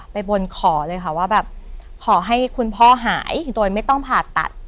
บนขอเลยค่ะว่าแบบขอให้คุณพ่อหายโดยไม่ต้องผ่าตัด